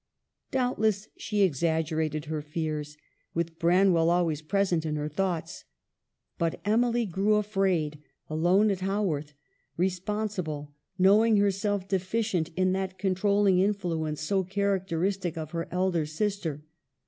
Doubtless she exaggerated her fears, with Branwell always present in her thoughts. But Emily grew afraid, alone at Haworth, re sponsible, knowing herself deficient in that con trolling influence so characteristic of her elder sister.